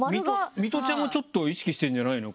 ミトちゃんもちょっと意識してるんじゃないの？